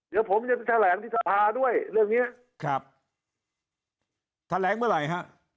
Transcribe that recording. เดี๋ยวผมจะไปแถลงที่สภาด้วยเรื่องเนี้ยครับแถลงเมื่อไหร่ฮะ